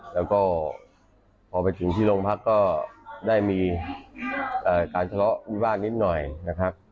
แล้วก็พอไปถึงที่โรงพักก็ได้มีการทะเลาะวิวาสนิดหน่อยนะครับ